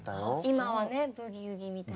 今はねブギウギみたいな。